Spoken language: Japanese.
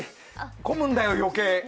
混むんだよ、余計。